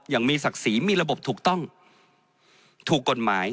อย่างมีศักดิ์ศรีมีระบบถูกต้องถูกกฎหมาย